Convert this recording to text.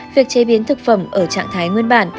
việc chế biến thực phẩm ở trạng thái nguyên bản